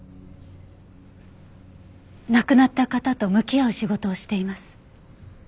亡くなった方と向き合う仕事をしています。